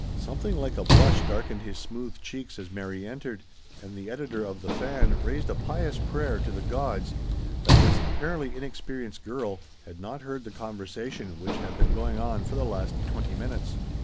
Something like a blush darkened his smooth cheeks as Mary entered, and the editor of The Fan raised a pious prayer to the gods that this apparently inexperienced girl had not heard the conversation which had been going on for the last twenty minutes.